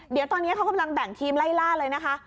เดี๋ยวตอนนี้เขากำลังแบ่งทีมไล่ล่าเลยนะคะ